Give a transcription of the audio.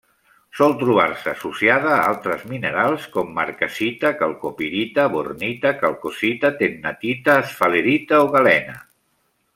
Sol trobar-se associada a altres minerals com: marcassita, calcopirita, bornita, calcocita, tennantita, esfalerita o galena.